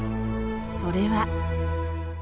それは。